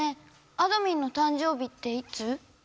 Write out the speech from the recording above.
あどミンの誕生日っていつ？